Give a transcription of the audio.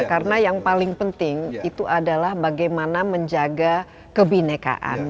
karena yang paling penting itu adalah bagaimana menjaga kebinekaan